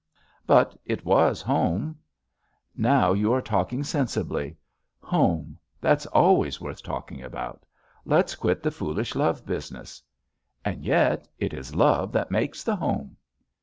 But it was home." "Now you are talking sensibly. Homel That's always worth talking about. Let's quit the foolish love business." "And yet, it is love that makes the home."